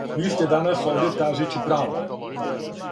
Ви сте данас овде тражећи правду.